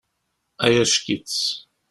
Ay ack-itt!